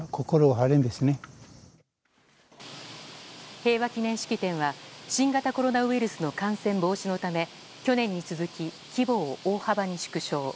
平和記念式典は新型コロナウイルスの感染防止のため去年に続き、規模を大幅に縮小。